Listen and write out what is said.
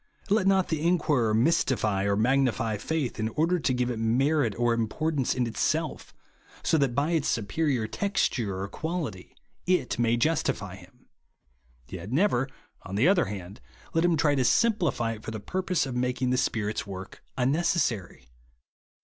Let not the inquirer mystify or magnify faith in order to give it merit or import k2 114 BELIEVE AND BE SAVED. ance in itself, so that by its superior texture or quality it may justify him ; yet never, on the other hand, let him try to simplify it for the purpose of making the Spirit's work unnecessary.